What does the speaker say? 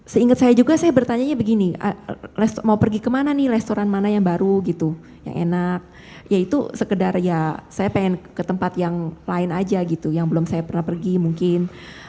seingat saya juga saya bertanya begini mau pergi kemana nih restoran mana yang baru gitu yang enak ya itu sekedar ya saya pengen ke tempat yang lain aja gitu yang belum saya pernah pergi mungkin